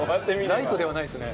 ライトではないですね。